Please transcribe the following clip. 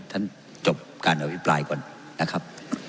ท่านจบการอภิปรายก่อนนะครับ